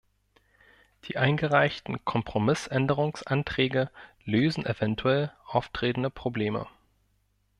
Die eingereichten Kompromissänderungsanträge lösen eventuell auftretende Probleme.